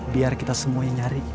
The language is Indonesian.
biar kita semua yang nyari